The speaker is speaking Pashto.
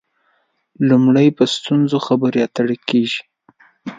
لومړی په ستونزو خبرې اترې کېږي.